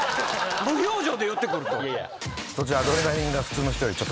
無表情で寄ってくると。